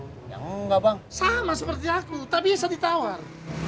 enggak bang sama seperti aku tak bisa ditawar